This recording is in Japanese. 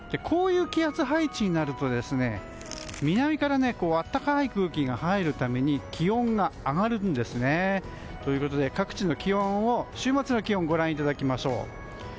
こういう気圧配置になると南から暖かい空気が入るために気温が上がるんですね。ということで各地の週末の気温をご覧いただきましょう。